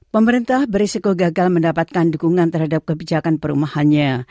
pemerintah berisiko gagal mendapatkan dukungan terhadap kebijakan perumahannya